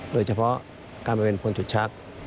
โดยเฉพาะการเป็นผลจุดชัก